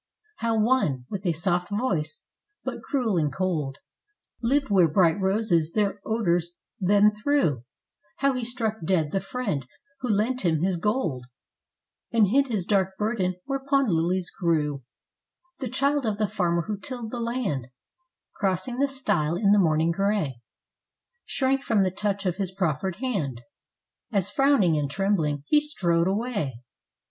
How one, with a soft voice, but cruel and cold, Lived where bright roses their odors then threw ; How he struck dead the friend who had lent him his gold, And hid his dark burden where pond lilies grew. THE EMPTY HOUSE. 79 The child of the farmer who tilled the land, Crossing the stile, in the morning grey, Shrank from the touch of his proffered hand, As frowning, and trembling, he strode away.